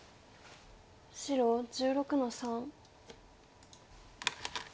白１６の三。